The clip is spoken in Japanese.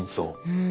うん。